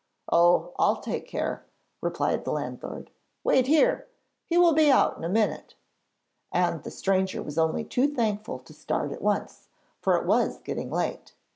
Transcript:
'Oh! I'll take care,' replied the landlord. 'Wait here! he will be out in a minute,' and the stranger was only too thankful to start at once, for it was getting late.